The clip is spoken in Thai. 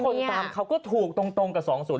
แล้วคนตามเขาก็ถูกตรงกับสองศูนย์